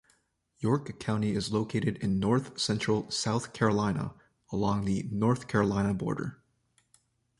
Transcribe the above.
York County is located in north central South Carolina, along the North Carolina border.